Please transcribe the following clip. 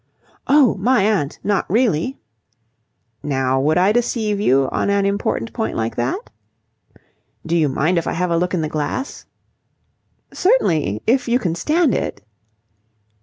"Oh, my aunt! Not really?" "Now would I deceive you on an important point like that?" "Do you mind if I have a look in the glass?" "Certainly, if you can stand it."